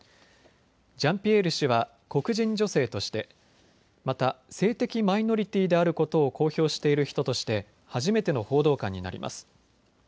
ジャンピエール氏は黒人女性として、また性的マイノリティーであることを公表している人として初めての報道官になります。